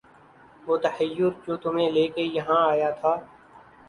وُہ تحیّر جو تُمھیں لے کے یہاں آیا تھا